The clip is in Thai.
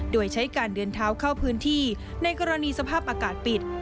โดยใช้การเดินเท้าเข้าพื้นที่ในกรณีสภาพอากาศปิด